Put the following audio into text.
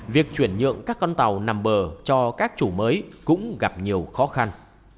việc chuyển nhượng các con tàu nằm bờ cho các chủ mới cũng gặp nhiều khó khăn